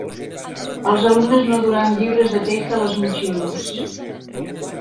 Els alumnes no duran llibres de text a les motxilles.